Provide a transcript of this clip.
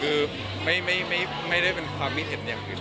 คุณแม่น้องให้โอกาสดาราคนในผมไปเจอคุณแม่น้องให้โอกาสดาราคนในผมไปเจอ